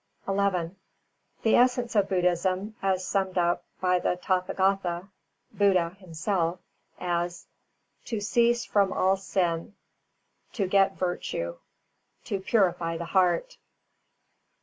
XI The essence of Buddhism, as summed up by the Tathāgathā (Buddha) himself, as: To cease from all sin, To get virtue, To purify the heart.